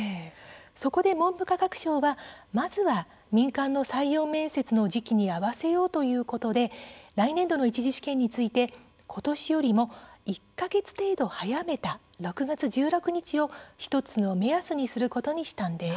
そこで文部科学省はまずは民間の採用面接の時期に合わせようということで来年度の１次試験について今年よりも１か月程度早めた６月１６日を１つの目安にすることにしたんです。